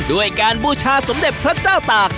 ด้วยการบูชาสมเด็จพระเจ้าตาก